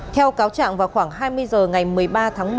theo cáo trạng vào khoảng hai mươi h ngày một mươi ba tháng một